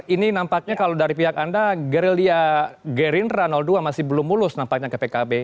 ini nampaknya kalau dari pihak anda gerilya gerindra dua masih belum mulus nampaknya ke pkb